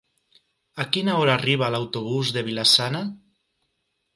A quina hora arriba l'autobús de Vila-sana?